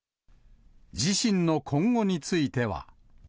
自身の今後については。